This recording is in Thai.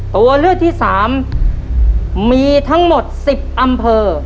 ตัวเลือกที่สามมีทั้งหมด๑๐อำเภอ